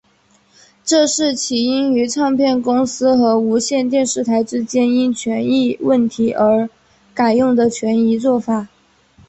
这是起因于唱片公司和无线电视台之间因权益问题而改用的权宜作法。